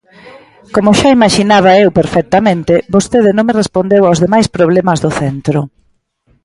Como xa imaxinaba eu perfectamente, vostede non me respondeu aos demais problemas do centro.